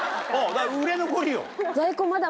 売れ残りよ。